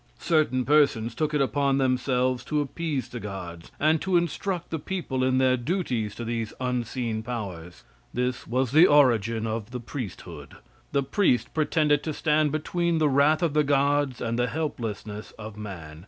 Certain persons took it upon themselves to appease the gods, and to instruct the people in their duties to these unseen powers. This was the origin of the priesthood. The priest pretended to stand between the wrath of the gods and the helplessness of man.